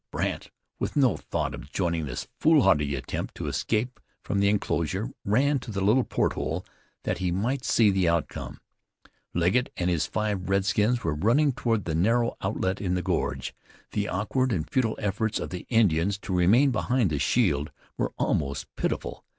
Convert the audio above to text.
Brandt, with no thought of joining this foolhardy attempt to escape from the inclosure, ran to the little port hole that he might see the outcome. Legget and his five redskins were running toward the narrow outlet in the gorge. The awkward and futile efforts of the Indians to remain behind the shield were almost pitiful.